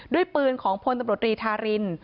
ด้วยปืนของพลตำรวจรีธาริน